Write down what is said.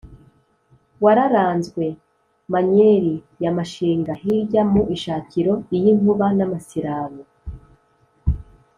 wararanzwe Manyeli ya Mashinga hirya mu ishakiro ly’inkuba n’ amasirabo,